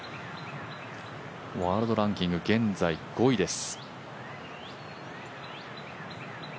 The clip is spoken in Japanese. ワールドランキング、現在５位です。